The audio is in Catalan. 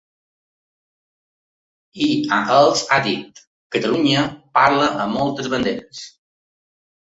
I ha els ha dit: Catalunya parla amb moltes banderes.